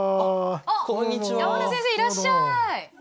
あっ山根先生いらっしゃい！